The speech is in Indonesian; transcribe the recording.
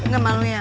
gak malu ya